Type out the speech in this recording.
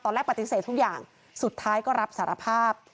แรกปฏิเสธทุกอย่างสุดท้ายก็รับสารภาพ